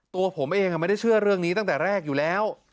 ตัวผมเองไม่ได้เชื่อเรื่องนี้ตั้งแต่แรกอยู่แล้ว